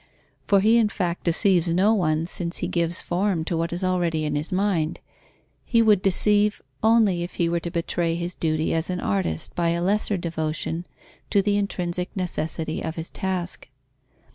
For he, in fact, deceives no one, since he gives form to what is already in his mind. He would deceive, only if he were to betray his duty as an artist by a lesser devotion to the intrinsic necessity of his task.